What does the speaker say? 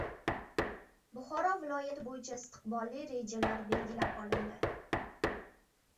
Buxoro viloyati bo‘yicha istiqbolli rejalar belgilab olindi